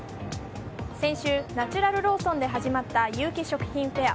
先週、ナチュラルローソンで始まった有機食品フェア。